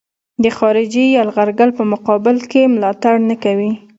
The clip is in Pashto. د خارجي یرغلګر په مقابل کې ملاتړ نه کوي.